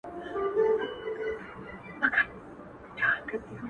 ما د مرگ ورځ به هم هغه ورځ وي.